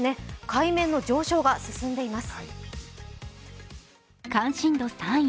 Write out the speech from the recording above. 海面の上昇が進んでいます。